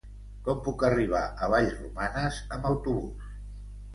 Com puc arribar a Vallromanes amb autobús?